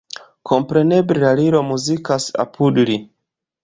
Kompreneble la Liro muzikas apud li.